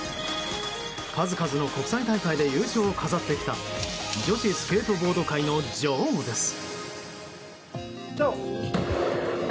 数々の国際大会で優勝を飾ってきた女子スケートボード界の女王です。